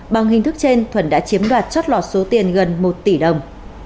bằng hình thức trên thuần đã chiếm đoạt trót lọt số tiền gần một tỷ đồng